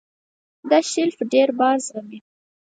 دا شیلف ډېر بار زغمي.